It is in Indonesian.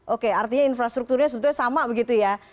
oke artinya infrastrukturnya sebetulnya sama begitu ya